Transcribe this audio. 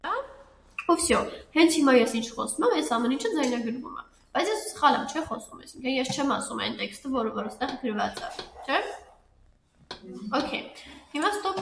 Յուրաքանչյուրը կասկածում է իր մտերիմներից կամ հարևաններից որևէ մեկին։